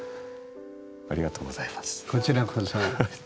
ありがとうございます。